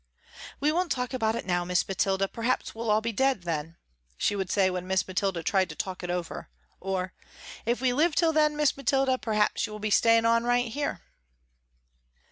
"We won't talk about it now Miss Mathilda, perhaps we all be dead by then," she would say when Miss Mathilda tried to talk it over. Or, "If we live till then Miss Mathilda, perhaps you will be staying on right here."